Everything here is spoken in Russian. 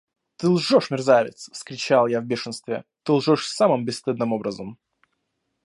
– Ты лжешь, мерзавец! – вскричал я в бешенстве, – ты лжешь самым бесстыдным образом.